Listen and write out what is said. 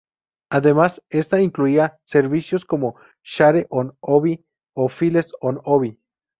Además, esta incluía servicios como Share on Ovi o Files on Ovi.